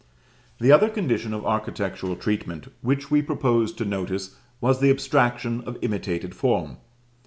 The other condition of architectural treatment which we proposed to notice was the abstraction of imitated form.